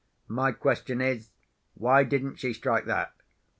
My question is—why didn't she strike that?